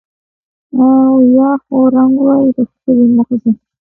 او یا خو رنګ وای د ښکلي مخ زه